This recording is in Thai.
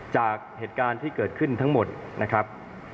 จากเหตุการณ์ที่เกิดขึ้นทั้งหมดนะครับ